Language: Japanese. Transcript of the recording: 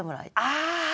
ああ！